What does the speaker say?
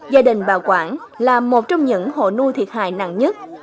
gia đình bảo quản là một trong những hộ nuôi thiệt hại nặng nhất